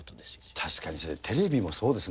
確かに、先生、テレビもそうですね。